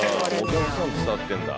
お客さんに伝わってんだ。